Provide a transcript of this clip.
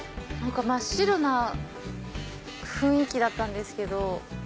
真っ白な雰囲気だったんですけど。